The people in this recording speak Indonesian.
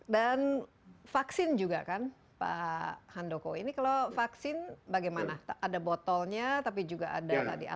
dan vaksin juga kan pak handoko ini kalau vaksin bagaimana ada botolnya tapi juga ada alat suntiknya